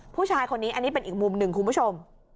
ผู้ชายคนนี้อันนี้เป็นอีกมุมหนึ่งคุณผู้ชม